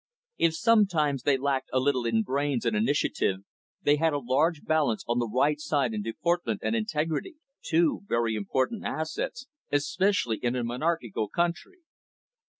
If sometimes they lacked a little in brains and initiative, they had a large balance on the right side in deportment and integrity, two very important assets, especially in a monarchical country.